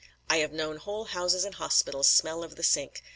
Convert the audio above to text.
I have known whole houses and hospitals smell of the sink.